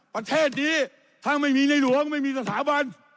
ประเทศนี้ถ้าไม่มีในหลวงไม่มีสถาบัน